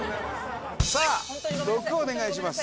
さあ「６」お願いします。